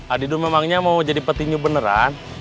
adidu memangnya mau jadi peti nyub beneran